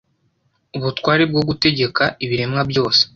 ubutware bwo gutegeka ibiremwa byose